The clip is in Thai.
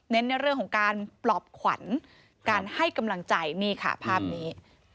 ในเรื่องของการปลอบขวัญการให้กำลังใจนี่ค่ะภาพนี้